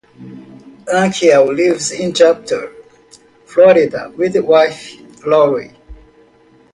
Ankiel lives in Jupiter, Florida with wife, Lory.